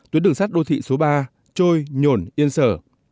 tuyến đường sắt đô thị số ba trôi nhổn yên sở